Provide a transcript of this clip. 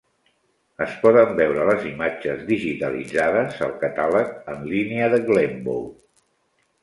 Es poden veure les imatges digitalitzades al catàleg en línia de Glenbow.